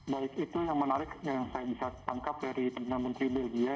baik itu yang menarik yang saya bisa tangkap dari perdana menteri belgia